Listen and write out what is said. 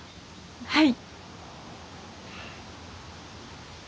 はい。